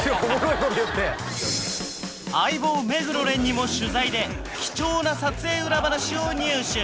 相棒目黒蓮にも取材で貴重な撮影裏話を入手